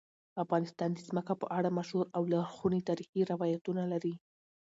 افغانستان د ځمکه په اړه مشهور او لرغوني تاریخی روایتونه لري.